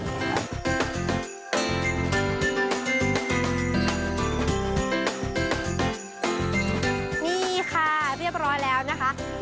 นี่ค่ะเรียบร้อยแล้วนะคะ